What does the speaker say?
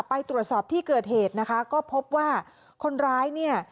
ไปตรวจสอบที่เกิดเหตุนะคะก็พบว่าคนร้ายเนี่ย